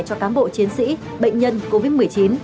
cho cán bộ chiến sĩ bệnh nhân covid một mươi chín